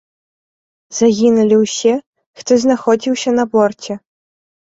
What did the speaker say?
Загінулі ўсе, хто знаходзіўся на борце.